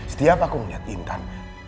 setiap aku ngeliat intan